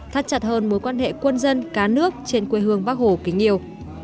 thắt chặt hơn mối quan hệ quân dân cá nước trên quê hương bắc hổ kính nhiều